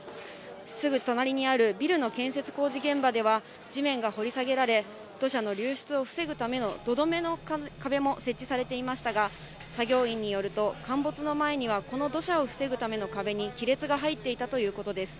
すぐ隣にあるビルの建設工事現場では地面が掘り下げられ、土砂の流出を防ぐための土留めの壁も設置されていましたが、作業員によると、陥没の前には、この土砂を防ぐための壁に亀裂が入っていたということです。